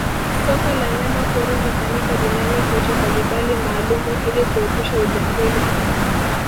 Soko la nyama pori hufanyika Duniani kote kwa vibali maalumu ili kuepusha ujangili